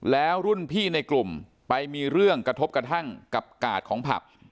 แล้วรุ่นพี่ในกลุ่มไปมีเรื่องกระทบกระทั่งกับกาดของผับ